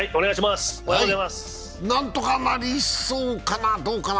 何とかなりそうかな？